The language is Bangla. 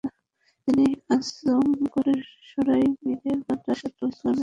তিনি আজমগড়ের সরাই মীরে মাদ্রাসাতুল ইসলাহের ভিত্তিপ্রস্তর স্থাপন করেন।